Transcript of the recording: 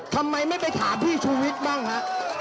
ทำไมไม่ไปถามพี่ชูวิทย์บ้างฮะ